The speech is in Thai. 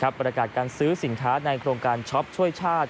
ประกาศการซื้อสินค้าในโครงการช็อปช่วยชาติ